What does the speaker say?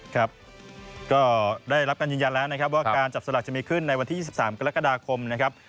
ครับก็ได้รับการยืนยันแล้วนะครับว่าการจับสลากจะมีขึ้นในวันที่๒๓กรกฎาคมนะครับ